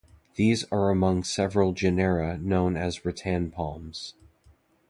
These are among several genera known as rattan palms.